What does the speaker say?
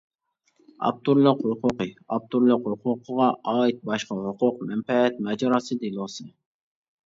ئاپتورلۇق ھوقۇقى، ئاپتورلۇق ھوقۇقىغا ئائىت باشقا ھوقۇق-مەنپەئەت ماجىراسى دېلوسى.